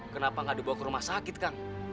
kenapa nggak dibawa ke rumah sakit kang